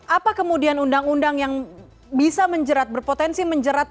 apa kemudian undang undang yang bisa menjerat berpotensi menjerat